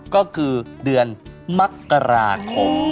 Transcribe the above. ก็คือเดือนมกราคม